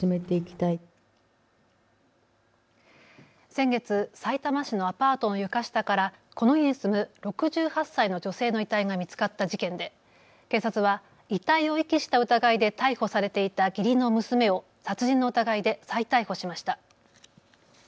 先月、さいたま市のアパートの床下からこの家に住む６８歳の女性の遺体が見つかった事件で警察は遺体を遺棄した疑いで逮捕されていた義理の娘を殺人の疑いで再逮捕しました。